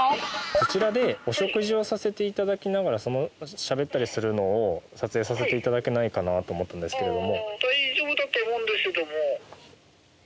そちらでお食事をさせていただきながらしゃべったりするのを撮影させていただけないかなと思ったんですけれども。